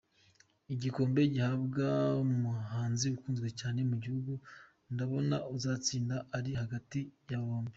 Igikombe gihabwa umuhanzi ukunzwe cyane mu gihugu, ndabona uzatsinda ari hagati y’aba bombi.